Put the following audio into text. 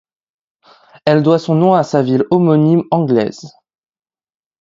Elle doit son nom à sa ville homonyme anglaise.